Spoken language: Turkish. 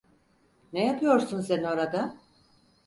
Ne yapıyorsun sen orada?